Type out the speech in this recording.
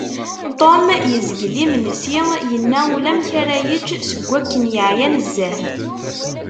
Tom yezgel imensi, yenna ulamek ara yečč seg akken yeεya nezzeh.